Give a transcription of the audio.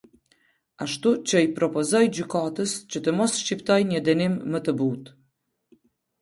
Ashtu që i propozoj gjykatës që të më shqiptoj një dënim më të butë.